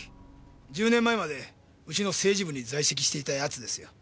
１０年前までうちの政治部に在籍していた奴ですよ。